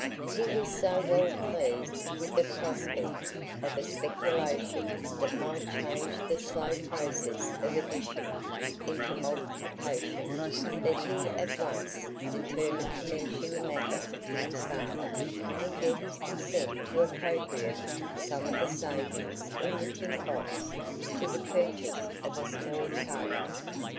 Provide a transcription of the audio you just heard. He was so well pleased with the prospect of a speculation that might change the slow process of addition into multiplication, that he at once determined to mention the matter to his father, and get his consent to appropriate some of the savings in the tin box to the purchase of a small cargo.